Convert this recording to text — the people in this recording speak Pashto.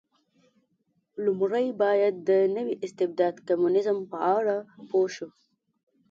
لومړی باید د نوي استبداد کمونېزم په اړه پوه شو.